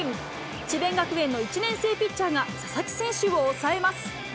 智弁学園の１年生ピッチャーが佐々木選手を抑えます。